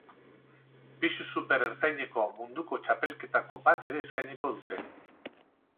Pisu super ertaineko munduko txapelketako bat ere eskainiko dute.